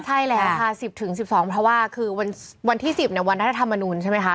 ใช่แหละค่ะ๑๐ถึง๑๒เพราะว่าคือวันที่๑๐เนี่ยวันท่าธรรมนุนใช่ไหมค่ะ